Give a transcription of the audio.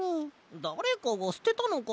だれかがすてたのかな？